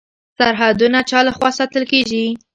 سرحدونه چا لخوا ساتل کیږي؟